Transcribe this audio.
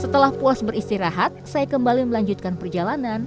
setelah puas beristirahat saya kembali melanjutkan perjalanan